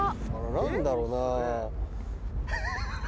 何だろうな？